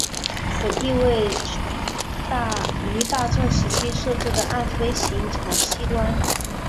此地位于大正时期设置的岸飞行场西端。